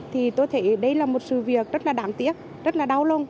thì tôi thấy đây là một sự việc rất là đáng tiếc rất là đau lòng